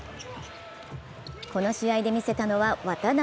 この試合で見せたのは渡邊。